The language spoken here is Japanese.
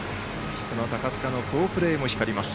この高塚の好プレーも光ります。